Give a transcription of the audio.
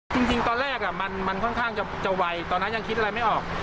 จริงตอนแรกมันค่อนข้างจะไวตอนนั้นยังคิดอะไรไม่ออก